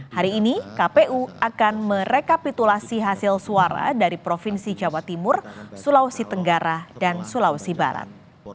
hari ini kpu akan merekapitulasi hasil suara dari provinsi jawa timur sulawesi tenggara dan sulawesi barat